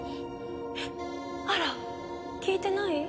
えっあら聞いてない？